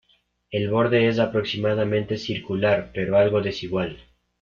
El borde es aproximadamente circular, pero algo desigual.